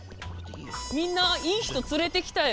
みんないい人連れてきたよ。